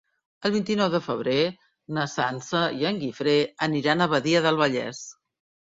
El vint-i-nou de febrer na Sança i en Guifré aniran a Badia del Vallès.